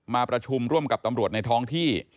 มาประชุมร่วมกับตำรวจในท้องที่